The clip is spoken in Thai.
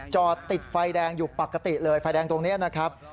จอดติดไฟแดงอยู่ปกติเลยไฟแดงตรงนี้นะครับ